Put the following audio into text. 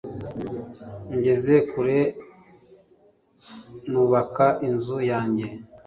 Ngeze kure nubaka inzu yanjye